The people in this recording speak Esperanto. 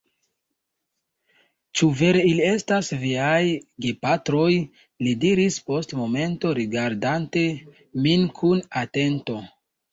Ĉu vere ili estas viaj gepatroj? li diris post momento, rigardante min kun atento.